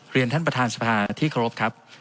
เรียนท่านประธานสภาที่เคารพครับ